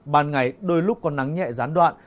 bàn ngày đôi lúc có nắng nhẹ gián đoạn